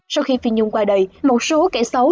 sau khi phi nhung qua đời một số kẻ xấu